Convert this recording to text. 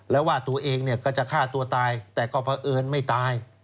แล้วว่าตัวเองจะฆ่าตัวตายประโยชน์ก็ไม่ตาย